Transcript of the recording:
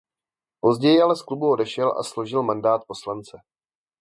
Později ale z klubu odešel a složil mandát poslance.